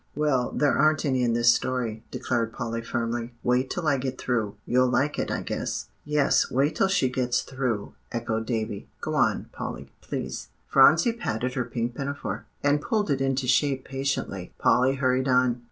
"Well, there aren't any in this story," declared Polly firmly. "Wait till I get through; you'll like it, I guess." "Yes; wait till she gets through," echoed Davie. "Go on, Polly, please." Phronsie patted her pink pinafore, and pulled it into shape patiently. Polly hurried on.